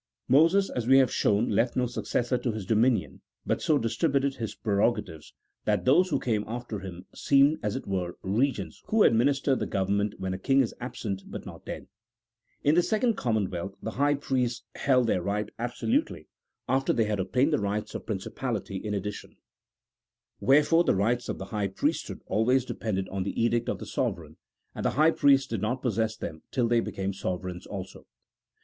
Moses, as we have shown, left no successor to his dominion, but so distributed his prerogatives, that those who came after him seemed, as it were, regents who administer the government when a king is absent but not dead. In the second commonwealth the high priests held their 252 A THEOLOGICO POLITICAL TREATISE. [CHAP. XIX. right absolutely, after they had obtained the rights of prin cipality in addition. Wherefore the rights of the high priesthood always depended on the edict of the sovereign, and the high priests did not possess them till they became sovereigns also.